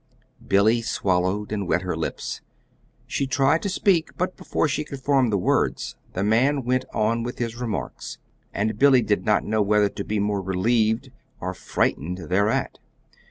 Billy swallowed and wet her lips. She tried to speak; but before she could form the words the man went on with his remarks; and Billy did not know whether to be the more relieved or frightened thereat.